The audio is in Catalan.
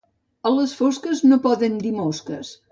A les fosques, no poden dir mosques.